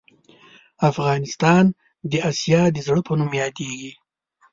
افغانستان د اسیا د زړه په نوم یادیږې